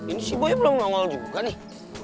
ini si boya belum nongol juga nih